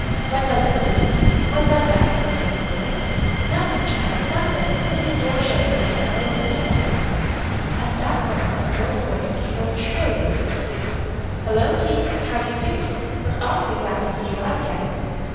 "What was that, Susan? What was that?" demanded the boy. "Nothin', child, nothin', only a door shuttin' somewhere, or a window." At that moment a girl's voice caroled shrilly from the street. "Hullo, Keith, how do you do? We're awfully glad to see you out again."